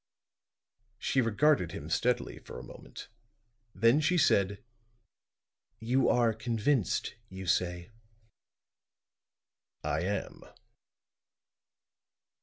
She regarded him steadily for a moment; then she said: "You are convinced, you say?" "I am."